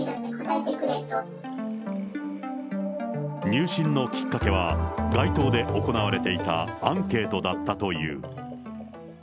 入信のきっかけは、街頭で行われていたアンケートだったという。